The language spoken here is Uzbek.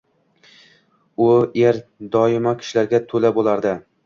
U er doimo kishilarga to`la bo`lardi